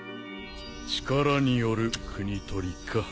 力による国取りか。